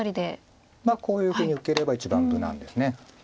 こういうふうに受ければ一番無難です。